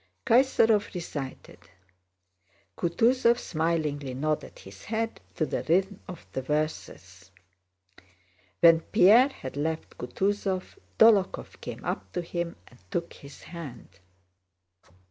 Kaysárov recited.... Kutúzov smilingly nodded his head to the rhythm of the verses. When Pierre had left Kutúzov, Dólokhov came up to him and took his hand.